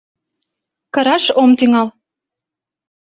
Кыраш ом тӱҥал.